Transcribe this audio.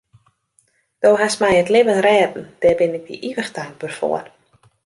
Do hast my it libben rêden, dêr bin ik dy ivich tankber foar.